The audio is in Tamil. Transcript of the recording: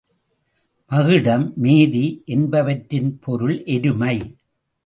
மகிடம், மேதி என்பவற்றின் பொருள் எருமை.